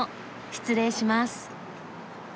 失礼します。